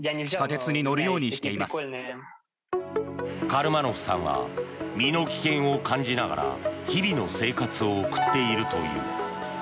カルマノフさんは身の危険を感じながら日々の生活を送っているという。